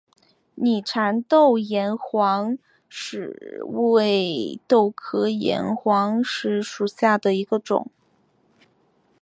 拟蚕豆岩黄耆为豆科岩黄耆属下的一个种。